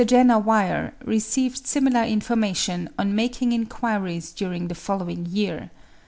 Jenner Weir received similar information, on making enquiries during the following year.